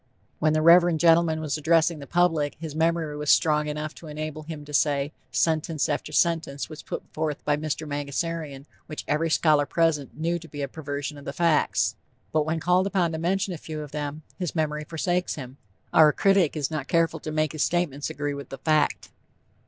When the Reverend gentleman was addressing the public his memory was strong enough to enable him to say, "sentence after sentence was put forth by Mr. Mangasarian which every scholar present knew to be a perversion of the facts." But when called upon to mention a few of them, his memory forsakes him. Our critic is not careful to make his statements agree with the fact.